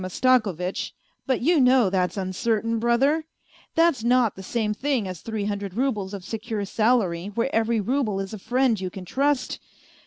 Yulian Mastakovitch ? But you know that's uncertain, brother; that's not the same thing as three hundred roubles of secure salary, where every rouble is a friend you can trust.